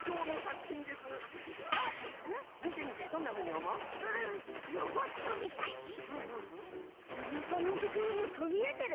おなかのところがとびでてる。